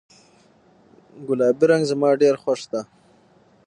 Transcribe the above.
ګلابي رنګ زما ډیر خوښ ده